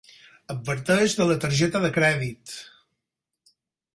Adverteix de la targeta de crèdit.